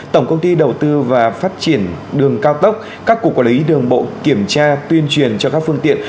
tổng công ty đầu tư và phát triển đường cao tốc các cục quản lý đường bộ kiểm tra tuyên truyền cho các phương tiện